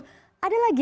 apa sih sebenarnya